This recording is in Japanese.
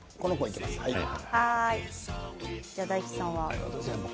大吉さんは？